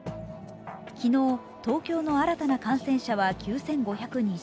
昨日東京の新たな感染者は９５２０人。